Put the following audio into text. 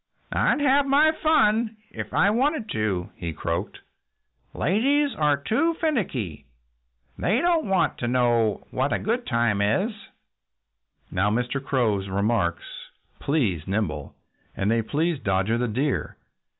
"I'd have my fun if I wanted to," he croaked. "Ladies are too finicky. They don't know what a good time is." Now, Mr. Crow's remarks pleased Nimble. And they pleased Dodger the Deer.